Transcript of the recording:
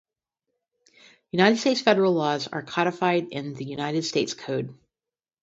United States federal laws are codified in the United States Code.